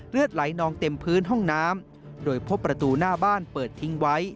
เลือดไหลนองเต็มพื้นห้องน้ำโดยพบประตูหน้าบ้านเปิดทิ้งไว้